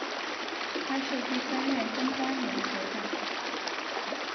他是第三任登丹人酋长。